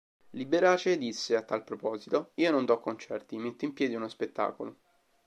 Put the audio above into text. Liberace disse a tal proposito "Io non do concerti, metto in piedi uno spettacolo".